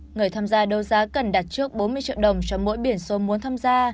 người tham gia đấu giá cần đặt trước bốn mươi triệu đồng cho mỗi biển số muốn tham gia